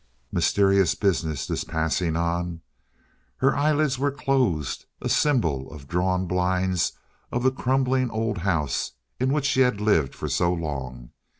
Mysterious business, this passing on. Her eyelids were closed, a symbol of drawn blinds of the crumbling old house in which she had lived for so long.